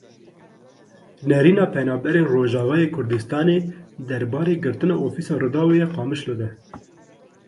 Nerîna penaberên Rojavayê Kurdistanê derbarê girtina Ofîsa Rûdawê ya Qamişlo de.